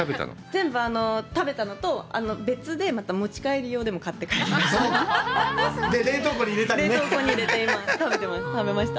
全部食べたのと、別でまた持ち帰り用でも買って帰りました。